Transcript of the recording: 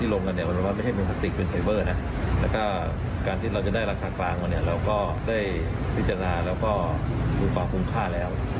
แล้วก็ถูกความคุ้มค่าแล้ว